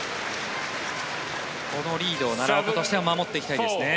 このリード奈良岡としては守っていきたいですね。